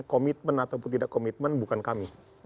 komitmen ataupun tidak komitmen bukan kami